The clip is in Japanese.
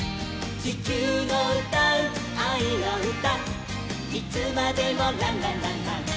「地球のうたうあいのうた」